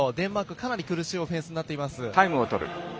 かなり苦しいオフェンスになっています。